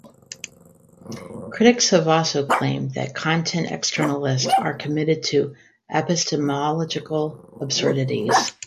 Critics have also claimed that content externalists are committed to epistemological absurdities.